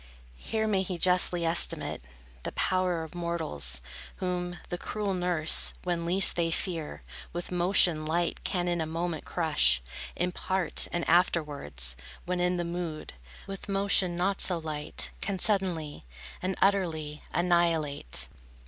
Here may he justly estimate The power of mortals, whom The cruel nurse, when least they fear, With motion light can in a moment crush In part, and afterwards, when in the mood, With motion not so light, can suddenly, And utterly annihilate.